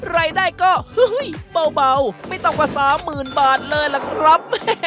รายได้ก็เฮ้ยเฮ้ยเบาเบาไม่ต่ำกว่าสามหมื่นบาทเลยล่ะครับ